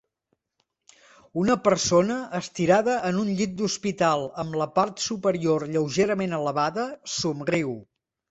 Una persona, estirada en un llit d'hospital amb la part superior lleugerament elevada, somriu.